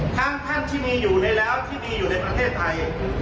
ท่านที่มีอยู่ในแล้วที่มีอยู่ในประเทศไทย